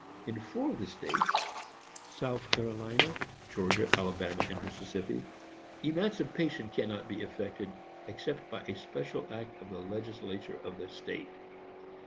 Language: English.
] In four of the states,—South Carolina, Georgia, Alabama, and Mississippi,—emancipation cannot be effected, except by a special act of the legislature of the state.